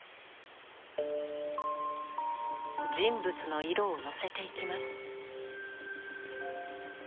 人物の色をのせていきます。